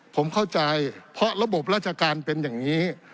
ผมเข้าใจเพราะระบบราชการเป็นอย่างนี้